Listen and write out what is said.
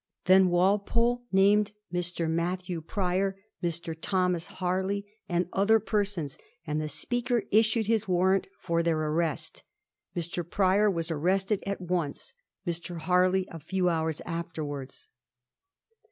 Then Walpole named Mr. Matthew Prior, Mr. Thomas Harley, and other persons, and the Speaker issued his warrant for their arrest. Mr. Prior was arrested at once ; Mr. Harley a few hours afterwards.